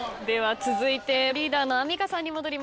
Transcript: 続いてリーダーのアンミカさんに戻ります。